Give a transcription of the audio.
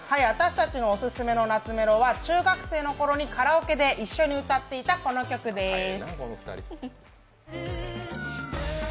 私たちのオススメの懐メロは中学生のときにカラオケで一緒に歌っていたこの曲です。